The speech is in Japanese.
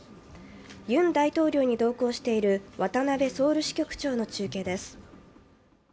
ユン大統領に同行している渡辺ソウル支局長の中継です。